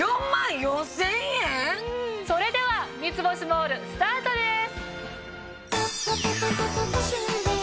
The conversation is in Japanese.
それでは『三ツ星モール』スタートです！